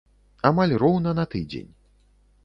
Амаль роўна на тыдзень.